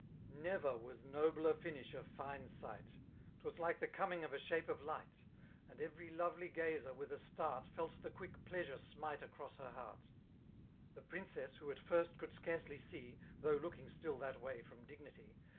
Never was noMer finish of fine sights 'Twas like the coming of a shape ^ light ; And every lovely gazer, wUh a start. Felt the quick pleasum smite across her hfiwrtt The princess, who at first could scarcely see^ Though looking still that way frbm'digi|ky.